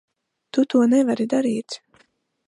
Tu to nevari darīt.